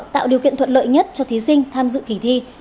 tạo điều kiện thuận lợi nhất cho thí sinh tham dự kỳ thi